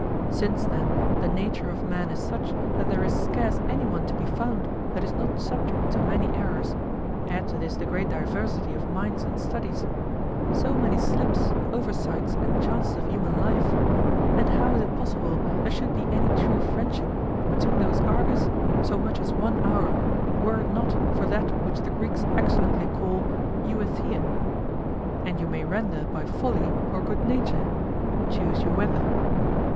Since then the nature of man is such that there is scarce anyone to be found that is not subject to many errors, add to this the great diversity of minds and studies, so many slips, oversights, and chances of human life, and how is it possible there should be any true friendship between those Argus, so much as one hour, were it not for that which the Greeks excellently call euetheian? And you may render by folly or good nature, choose you whether.